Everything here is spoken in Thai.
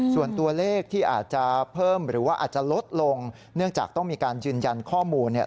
ส่วนตัวเลขที่อาจจะเพิ่มหรือว่าอาจจะลดลงเนื่องจากต้องมีการยืนยันข้อมูลเนี่ย